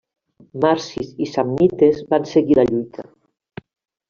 Marsis i samnites van seguir la lluita.